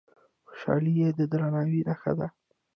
خوشالي د درناوي نښه ده.